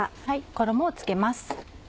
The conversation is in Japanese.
衣を付けます。